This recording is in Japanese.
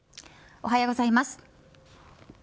おはようございます。